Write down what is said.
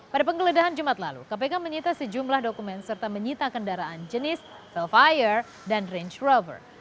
pada penggeledahan jumat lalu kpk menyita sejumlah dokumen serta menyita kendaraan jenis velfire dan range rover